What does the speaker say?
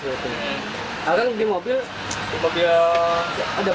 terus basiang di belakang